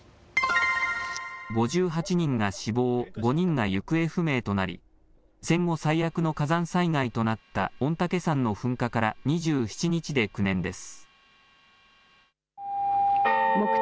５８人が死亡、５人が行方不明となり戦後最悪の火山災害となった御嶽山の噴火から２７日で９年です。